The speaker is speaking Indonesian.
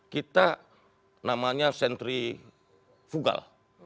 kita namanya sentrifugal